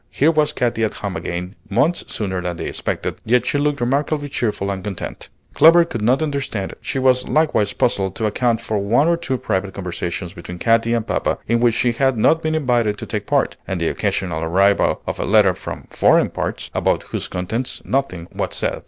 Here was Katy at home again, months sooner than they expected; yet she looked remarkably cheerful and content! Clover could not understand it; she was likewise puzzled to account for one or two private conversations between Katy and papa in which she had not been invited to take part, and the occasional arrival of a letter from "foreign parts" about whose contents nothing was said.